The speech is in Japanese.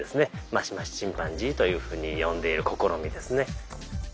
マシマシチンパンジーというふうに呼んでいる試みですね。